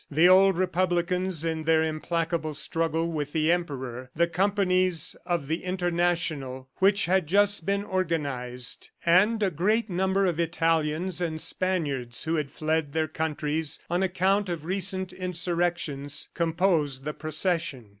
The old republicans in their implacable struggle with the Emperor, the companies of the International which had just been organized, and a great number of Italians and Spaniards who had fled their countries on account of recent insurrections, composed the procession.